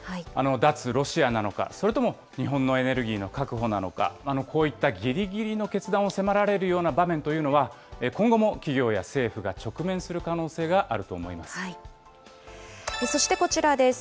脱ロシアなのか、それとも日本のエネルギーの確保なのか、こういったぎりぎりの決断を迫られるような場面というのは、今後も企業や政府が直面する可能性があるとそしてこちらです。